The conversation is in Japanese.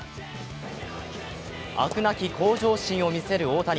飽くなき向上心を見せる大谷。